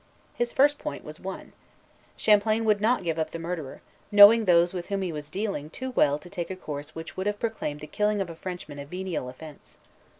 His first point was won. Champlain would not give up the murderer, knowing those with whom he was dealing too well to take a course which would have proclaimed the killing of a Frenchman a venial offence.